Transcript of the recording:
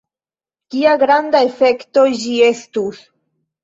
Kia granda efekto ĝi estus!